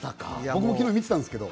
僕も昨日、見てたんですけど。